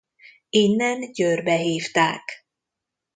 Innen Győrbe hívták.